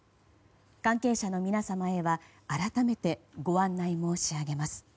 関係者の皆様へは改めてご案内申し上げます。